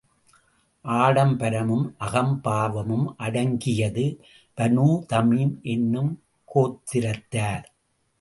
ஆடம்பரமும் அகம்பாவமும் அடங்கியது Banu Tamim என்னும் கோத்திரத்தார்.